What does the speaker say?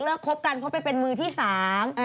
เลิกคบกันเพราะเป็นมือที่สาม